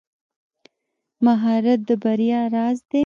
مهارت د بریا راز دی.